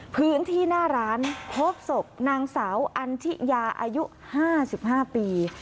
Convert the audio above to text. พื้นที่หน้าร้านพบศพนางสาวอันทิยาอายุ๕๕ปี